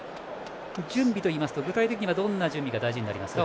準備といいますと具体的にどんな準備が大事になりますか？